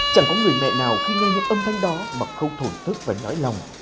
chẳng có người mẹ nào khi nghe những âm thanh đó mà không thổn thức và nói lòng